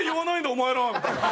お前ら」みたいな。